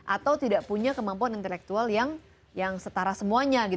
atau tidak punya kemampuan intelektual yang setara semuanya